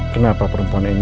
kenapa perempuan ini